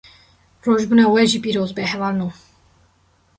Rojbûna we jî piroz be hevalno